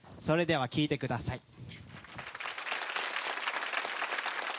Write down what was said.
それでは聴いてください。